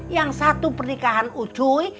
yang satu pernikahan ucuy